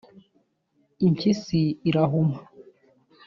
impyisi irahuma